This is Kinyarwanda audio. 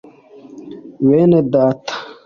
Bene Data